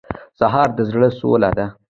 سهار د زړه سوله ده.